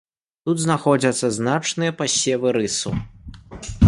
Тут знаходзяцца значныя пасевы рысу.